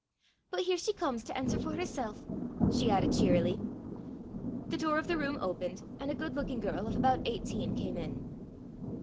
" But here she comes to answer for hersel'!" she added cheerily. The door of the room opened, and a good looking girl of about eighteen came in.